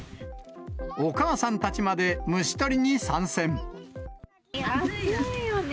お母さんたちまで虫捕りに参暑いよね。